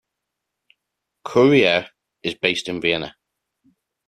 "Kurier" is based in Vienna.